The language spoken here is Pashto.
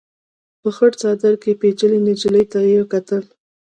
په خړ څادر کې پيچلې نجلۍ ته يې وکتل.